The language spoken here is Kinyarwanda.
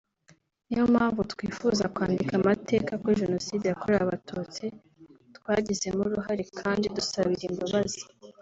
niyo mpamvu twifuza kwandika amateka kuri Jenoside yakorewe abatutsi twagizemo uruhare kandi dusabira imbabazi